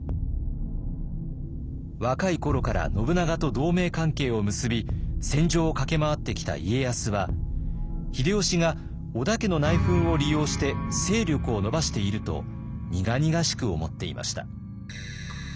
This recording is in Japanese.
若い頃から信長と同盟関係を結び戦場を駆け回ってきた家康は秀吉が織田家の内紛を利用して勢力を伸ばしていると苦々しく思っていました。